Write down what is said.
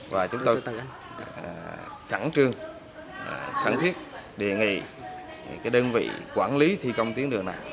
và chúng tôi khẳng trương khẳng thiết đề nghị đơn vị quản lý thi công tuyến đường này